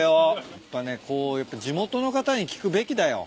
やっぱね地元の方に聞くべきだよ。